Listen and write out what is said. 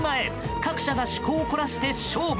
各社が趣向を凝らして勝負。